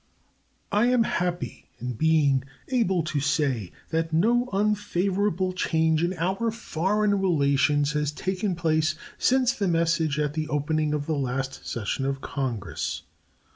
I am happy in being able to say that no unfavorable change in our foreign relations has taken place since the message at the opening of the last session of Congress.